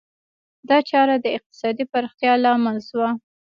دا چاره د اقتصادي پراختیا لامل شوه.